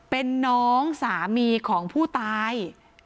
เป็นน้องสามีของผู้ตาย